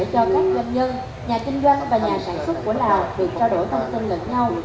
cho các doanh nhân nhà kinh doanh và nhà sản xuất của lào được trao đổi thông tin lẫn nhau